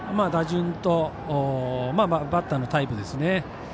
打順と、バッターのタイプですね。